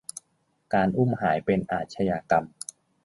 การอุ้มหายเป็นอาชญากรรม